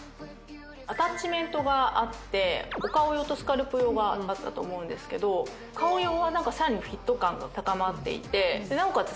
アタッチメントがあってお顔用とスカルプ用があったと思うんですけど顔用はさらにフィット感が高まっていてなおかつ